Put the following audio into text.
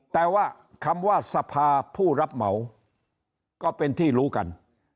แต่ว่าคำว่าสภาผู้รับเหมาก็เป็นที่รู้กัน